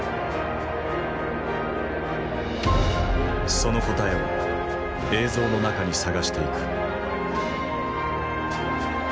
その答えを映像の中に探していく。